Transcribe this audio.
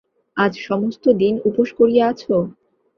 আজ সমস্ত দিন উপোস করিয়া আছ?